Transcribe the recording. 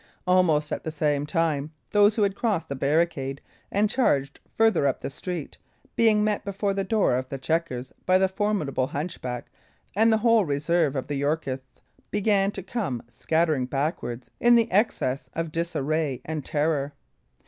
Almost at the same time, those who had crossed the barricade and charged farther up the street, being met before the door of the Chequers by the formidable hunchback and the whole reserve of the Yorkists, began to come scattering backward, in the excess of disarray and terror.